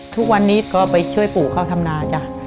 ทุกวันนี้ก็ไปช่วยปู่เข้าทำนาจ้ะ